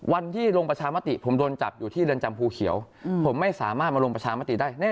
วันที่ลงประชามติผมโดนจับอยู่ที่เรือนจำภูเขียวผมไม่สามารถมาลงประชามติได้แน่